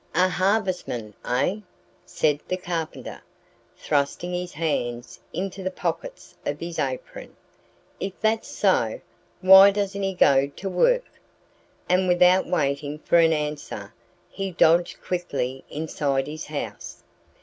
"A harvestman, eh?" said the Carpenter, thrusting his hands into the pockets of his apron. "If that's so, why doesn't he go to work?" And without waiting for an answer he dodged quickly inside his house.